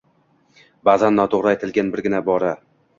Ba’zan noto‘g‘ri aytilgan birgina ibora